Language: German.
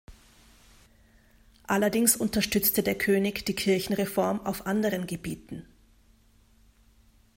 Allerdings unterstützte der König die Kirchenreform auf anderen Gebieten.